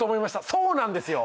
そうなんですよ。